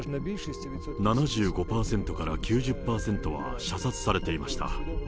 ７５％から９０％は射殺されていました。